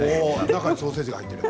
ソーセージが入っている？